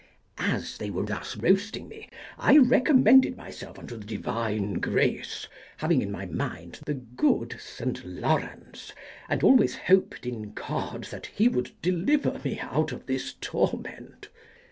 As they were thus roasting me, I recommended myself unto the divine grace, having in my mind the good St. Lawrence, and always hoped in God that he would deliver me out of this torment.